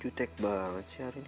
cute banget sih hari ini